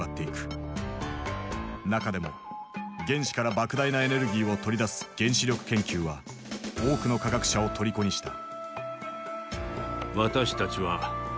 中でも原子からばく大なエネルギーを取り出す原子力研究は多くの科学者をとりこにした。